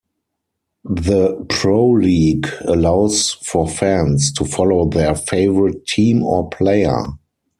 The Proleague allows for fans to follow their favorite team or player.